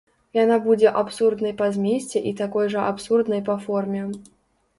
Яна будзе абсурднай па змесце і такой жа абсурднай па форме.